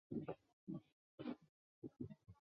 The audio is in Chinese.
科曼奇是位于美国得克萨斯州科曼奇县的一个城市。